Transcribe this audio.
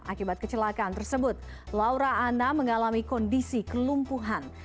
akibat kecelakaan tersebut laura anna mengalami kondisi kelumpuhan